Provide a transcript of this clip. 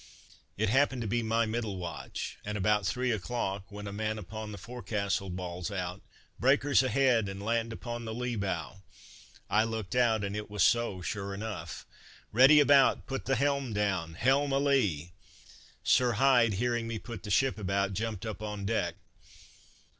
It happened to be my middle watch, and about three o'clock, when a man upon the forecastle bawls out: "Breakers ahead, and land upon the lee bow;" I looked out, and it was so sure enough. "Ready about! put the helm down! Helm a lee!" Sir Hyde hearing me put the ship about, jumped upon deck.